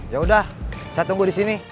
ya udah saya tunggu di sini